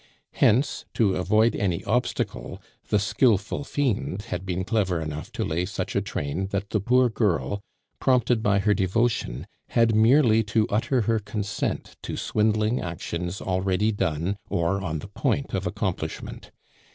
Hence, to avoid any obstacle, the skilful fiend had been clever enough to lay such a train that the poor girl, prompted by her devotion, had merely to utter her consent to swindling actions already done, or on the point of accomplishment.